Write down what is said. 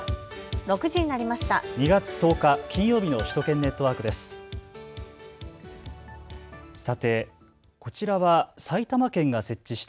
６時になりました。